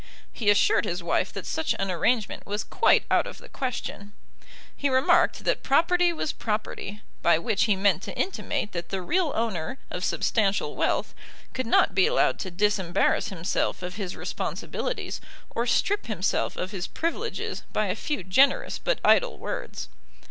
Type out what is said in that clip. He assured his wife that such an arrangement was quite out of the question. He remarked that property was property, by which he meant to intimate that the real owner of substantial wealth could not be allowed to disembarrass himself of his responsibilities or strip himself of his privileges by a few generous but idle words.